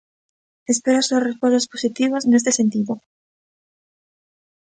Espero as súas respostas positivas neste sentido.